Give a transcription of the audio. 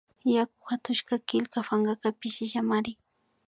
Yaku hatushka killka pankaka pishillamari